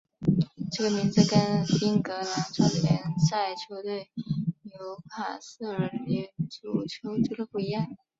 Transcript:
这个名字跟英格兰超级联赛球队纽卡斯尔联足球俱乐部的一样。